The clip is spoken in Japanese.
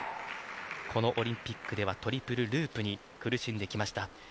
このオリンピックではトリプルループに苦しんできました。